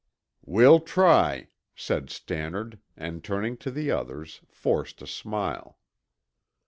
"We'll try," said Stannard, and turning to the others, forced a smile.